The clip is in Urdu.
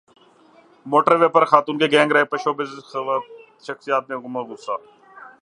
موٹر وے پر خاتون کے گینگ ریپ پرشوبز شخصیات میں غم غصہ